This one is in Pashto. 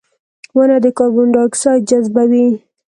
• ونه د کاربن ډای اکساید جذبوي.